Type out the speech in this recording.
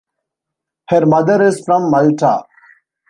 Her mother is from Malta.